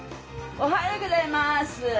おはようございます。